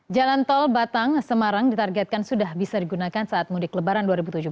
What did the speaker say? jalan tol batang semarang ditargetkan sudah bisa digunakan saat mudik lebaran dua ribu tujuh belas